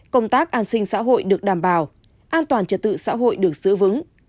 công tác an sinh xã hội được đảm bảo an toàn trật tự xã hội được giữ vững